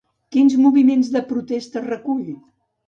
Quins moviments de protesta recull?